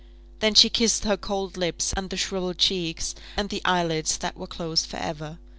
Then she kissed her cold lips, and the shrivelled cheeks, and the eyelids that were closed for ever.